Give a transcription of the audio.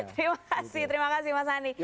terima kasih terima kasih mas ani